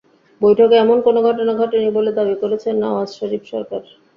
বৈঠকে এমন কোনো ঘটনা ঘটেনি বলে দাবি করেছেন নওয়াজ শরিফ সরকার।